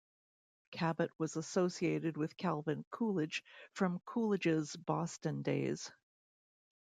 Cabot was associated with Calvin Coolidge from Coolidge's Boston days.